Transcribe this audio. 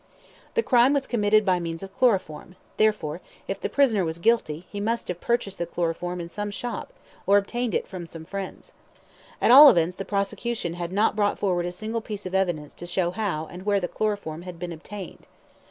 The crime was committed by means of chloroform; therefore, if the prisoner was guilty, he must have purchased the chloroform in some shop, or obtained it from some friends. At all events, the prosecution had not brought forward a single piece of evidence to show how, and where the chloroform had been obtained.